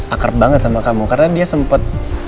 akrab banget sama kamu karena dia sempet